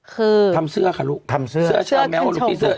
คือทำเสื้อค่ะลูกทำเสื้อเสื้อเชื้อแมวอัลกี้เสื้อ